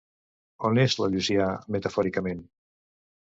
On és en Llucià, metafòricament?